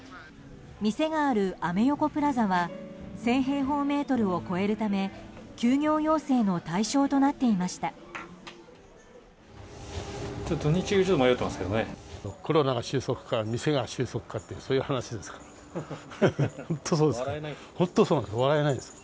店があるアメ横プラザは１０００平方メートルを超えるため休業要請の対象となっていました。